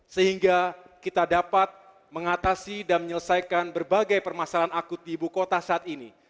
sehingga kita dapat mengatasi dan menyelesaikan berbagai permasalahan akut di ibu kota saat ini